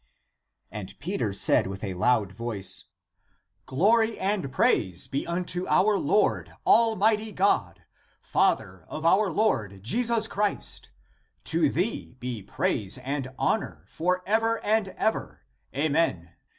And Peter said with a loud voice, " Glory and praise be unto our Lord, Almighty God, Father of our Lord Jesus Christ. To thee be praise and honor for ever and ever. Amen.